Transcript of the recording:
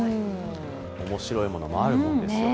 面白いものもあるもんですよね。